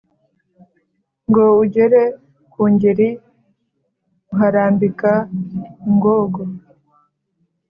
ngo ugere ku ngeri uharambika ingogo.